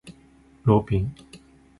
ローピン